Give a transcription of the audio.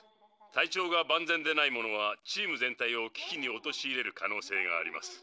体調が万全でない者はチーム全体を危機におとしいれる可能性があります。